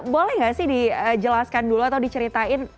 boleh nggak sih dijelaskan dulu atau diceritain